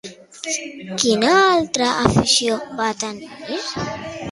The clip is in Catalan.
Quina altra afició va tenir?